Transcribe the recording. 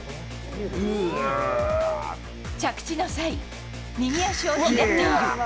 着地の際、右足をひねっている。